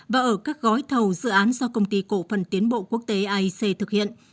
và ở các gói thầu dự án do công ty cổ phần tiến bộ quốc tế aic thực hiện